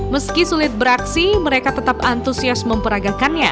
meski sulit beraksi mereka tetap antusias memperagakannya